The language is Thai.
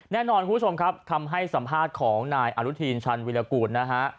แน่นอนคุณผู้ชมครับคำให้สัมภาษณ์ของนายอนุทีนชันวิรากูลนะฮะ